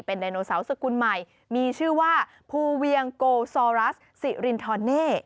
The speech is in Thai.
ไดโนเสาร์สกุลใหม่มีชื่อว่าภูเวียงโกซอรัสสิรินทรเน่